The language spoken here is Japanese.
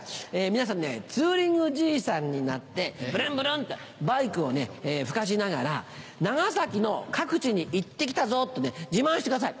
皆さんねツーリングじいさんになってブルンブルン！ってバイクを吹かしながら長崎の各地に行って来たぞ！とね自慢してください。